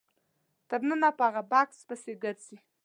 تر ننه په هغه بکس پسې ګرځي.